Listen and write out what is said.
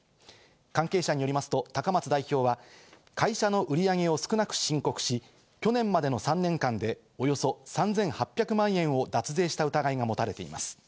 関係者によりますと高松代表は会社の売り上げを少なく申告し、去年までの３年間でおよそ３８００万円を脱税した疑いが持たれています。